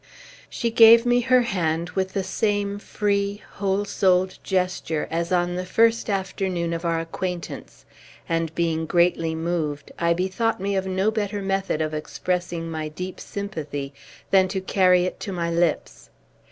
She gave me her hand with the same free, whole souled gesture as on the first afternoon of our acquaintance, and, being greatly moved, I bethought me of no better method of expressing my deep sympathy than to carry it to my lips.